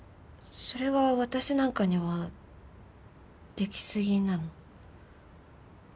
それは私なんかにはでき過ぎなの。